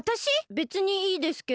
べつにいいですけど。